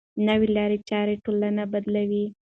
نوې لارې چارې ټولنه بدلوي.